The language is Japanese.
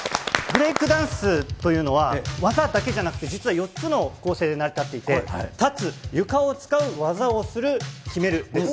ブレイクダンスというのは、技だけじゃなくて、実は４つの構成で成り立っていて、立つ、床を使う、技をする、決めるです。